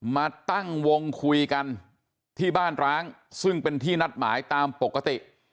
มาตั้งวงคุยกันที่บ้านร้างซึ่งเป็นที่นัดหมายตามปกติ